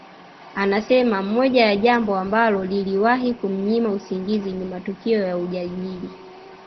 Anasema moja ya jambo ambalo liliwahi kumnyima usingizi ni matukio ya ujangili